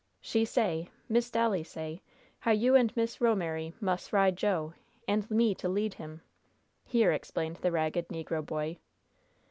"She say Miss Dolly say how you and Miss Ro'mery mus' ride Jo, and me to lead him," here explained the ragged negro boy.